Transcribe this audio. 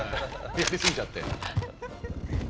やり過ぎちゃって。